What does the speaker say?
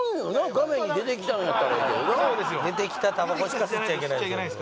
画面に出てきたんやったらええけどな出てきたタバコしか吸っちゃいけない